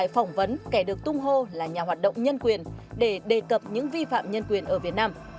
phỏng vấn kẻ được tung hô là nhà hoạt động nhân quyền để đề cập những vi phạm nhân quyền ở việt nam